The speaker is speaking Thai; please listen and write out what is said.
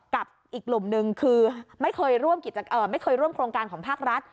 กับอีกกลุ่มนึงคือไม่เคยร่วมโครงการของภาครัฐ